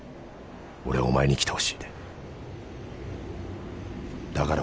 俺はお前に生きてほしいんだ！」。